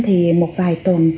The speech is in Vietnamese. thì một vài tuần